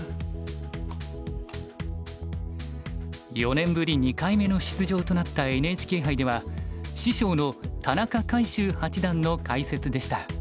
４年ぶり２回目の出場となったＮＨＫ杯では師匠の田中魁秀八段の解説でした。